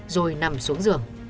rồi nằm xuống giường